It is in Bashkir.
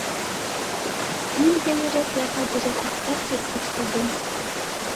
Ниндәйерәк яза бирәсәктәр, тип борсолдом.